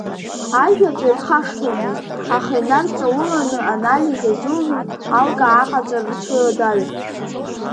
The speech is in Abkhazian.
Ажәаҿы ирхашҭуамызт, аха инарҵауланы анализ азуны, алкаа аҟаҵара рцәыуадаҩын.